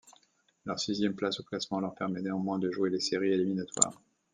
Leur sixième place au classement leur permet néanmoins de jouer les séries éliminatoires.